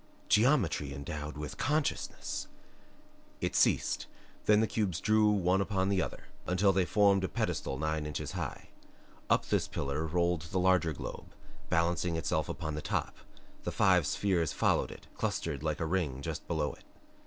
Geometry endowed with consciousness! It ceased. Then the cubes drew one upon the other until they formed a pedestal nine inches high; up this pillar rolled the larger globe, balanced itself upon the top; the five spheres followed it, clustered like a ring just below it.